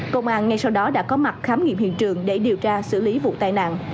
công an ngay sau đó đã có mặt khám nghiệm hiện trường để điều tra xử lý vụ tai nạn